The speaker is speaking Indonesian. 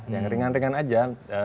yang ringan ringan aja